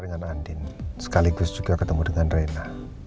dengan andin sekaligus juga ketemu dengan reina